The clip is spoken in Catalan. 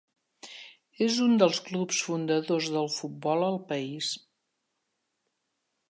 És un dels clubs fundadors del futbol al país.